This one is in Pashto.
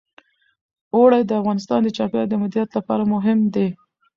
اوړي د افغانستان د چاپیریال د مدیریت لپاره مهم دي.